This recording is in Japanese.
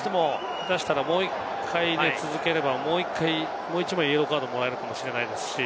下手したらもう１回続けたら、もう１枚イエローカードをもらえるかもしれないですし。